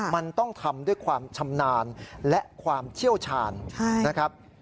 มันต้องทำด้วยความชำนาญและความเชี่ยวชาญนะครับ